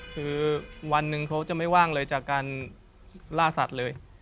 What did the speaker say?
คือวันหนึ่งเขาจะไม่ว่างเลยจากการล่าสัตว์เลย